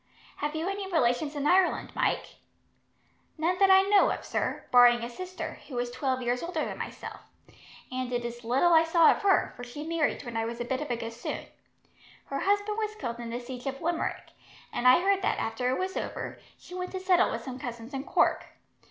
"Have you any relations in Ireland, Mike?" "None that I know of, sir, barring a sister, who was twelve years older than myself; and it is little I saw of her, for she married when I was a bit of a gossoon. Her husband was killed in the siege of Limerick, and I heard that after it was over, she went to settle with some cousins in Cork.